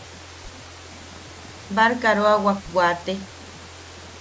Barkaroawak wate.